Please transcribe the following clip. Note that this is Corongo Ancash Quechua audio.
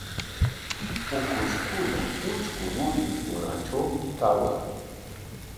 Ukushkuna utrku rurinkunatrawmi kawan.